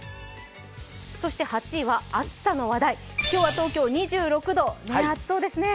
８位は暑さの話題、今日は東京２６度、暑そうですね。